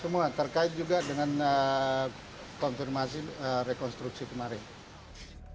semua terkait juga dengan konfirmasi rekonstruksi kemarin